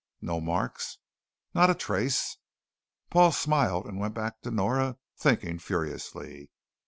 "No marks?" "Not a trace." Paul smiled and went back to Nora, thinking furiously.